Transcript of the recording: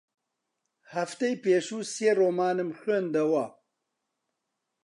هەفتەی پێشوو سێ ڕۆمانم خوێندەوە.